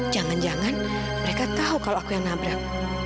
jangan jangan mereka tahu kalau aku yang nabrak